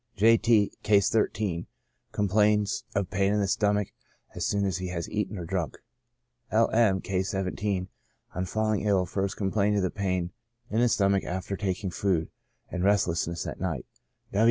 J. T —, (Case 13,) complains of pain in the stomach as soon as he has eaten or drunk. L, M —, (Case 17,) on falling ill, first complained of pain in the stomach after taking food, and restlessness at night.